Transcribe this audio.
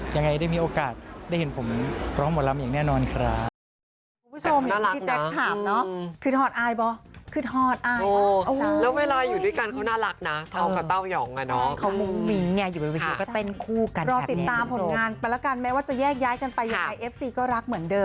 ยังไงได้มีโอกาสได้เห็นผมร้องหมอลำอย่างแน่นอนครับ